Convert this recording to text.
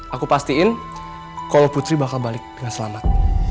aku pastiin kalau putri bakal balik dengan selamat